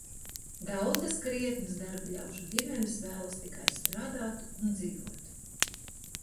Daudzas krietnas darbaļaužu ģimenes vēlas tikai strādāt un dzīvot!